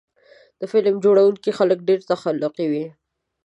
د فلم جوړوونکي خلک ډېر تخلیقي وي.